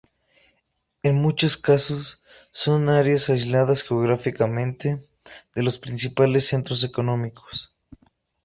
En muchos casos son áreas aisladas geográficamente de los principales centros económicos.